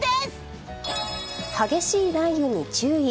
激しい雷雨に注意。